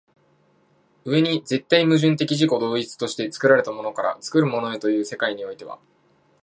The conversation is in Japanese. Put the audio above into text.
上に絶対矛盾的自己同一として作られたものから作るものへという世界においては